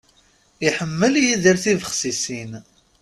Iḥemmel Yidir tibexsisin.